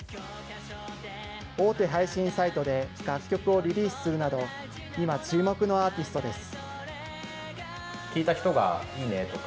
大手配信サイトで楽曲をリリースするなど、今、注目のアーティストです。